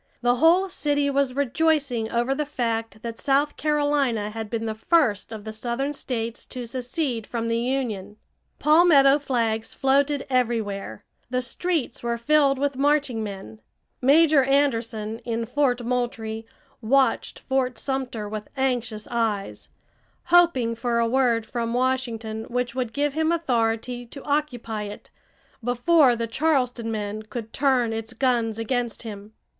The whole city was rejoicing over the fact that South Carolina had been the first of the southern states to secede from the Union. Palmetto flags floated everywhere; the streets were filled with marching men. Major Anderson in Fort Moultrie watched Fort Sumter with anxious eyes, hoping for a word from Washington which would give him authority to occupy it before the Charleston men could turn its guns against him.